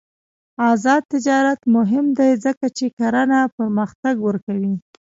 آزاد تجارت مهم دی ځکه چې کرنه پرمختګ ورکوي.